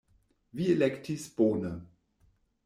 Vi elektis bone!